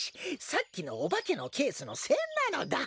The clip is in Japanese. さっきのおばけのケースのせんなのだ。